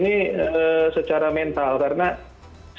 karena sekarang mereka selalu menghadapi kemungkinan risiko untuk tertular